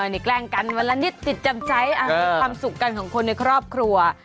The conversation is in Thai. นี่แกล้งกันวันละนิดจิตจำใจความสุขกันของคนในครอบครัว